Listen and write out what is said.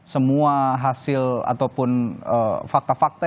semua hasil ataupun fakta fakta